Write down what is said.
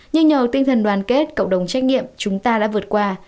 nhưng nhờ tinh thần đoàn kết cộng đồng trách nhiệm chúng ta đã vượt qua